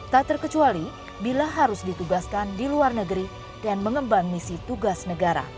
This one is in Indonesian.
tak terkecuali bila harus ditugaskan di luar negeri dan mengembang misi tugas negara